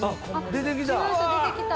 出て来た。